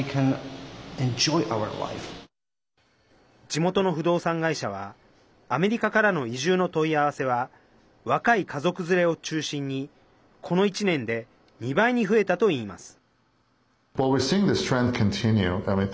地元の不動産会社はアメリカからの移住の問い合わせは若い家族連れを中心にこの１年で２倍に増えたといいます。